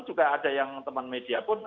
juga ada yang teman media pun